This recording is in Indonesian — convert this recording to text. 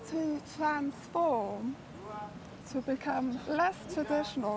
pencaksilat perlu berubah menjadi lebih kurang tradisional